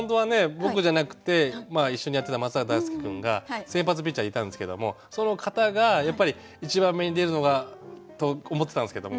僕じゃなくて一緒にやってた松坂大輔君が先発ピッチャーでいたんですけどもその方がやっぱり１番目に出るのがと思ったんですけども